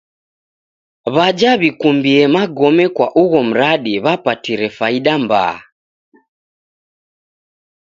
W'aja w'ikumbie magome kwa ugho mradi w'apatire faida mbaa.